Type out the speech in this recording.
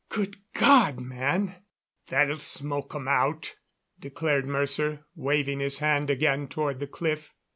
"Good God, man " "That'll smoke 'em out," declared Mercer, waving his hand again toward the cliff.